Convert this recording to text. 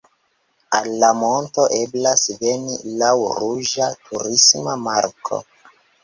Al la monto eblas veni laŭ ruĝa turisma marko.